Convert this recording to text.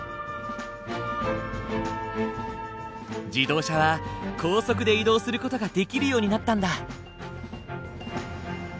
自動車は高速で移動する事ができるようになったんだ。